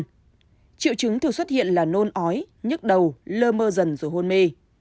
triệu chứng thường xuất hiện là nôn ói nhức đầu lơ mơ dần rồi hôn mê